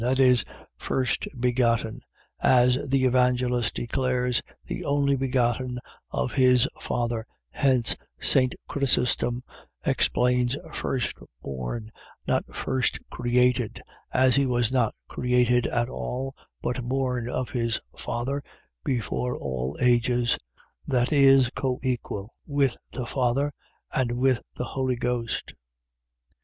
. .That is, first begotten; as the Evangelist declares, the only begotten of his Father: hence, St. Chrisostom explains firstborn, not first created, as he was not created at all, but born of his Father before all ages; that is, coeval with the Father and with the Holy Ghost.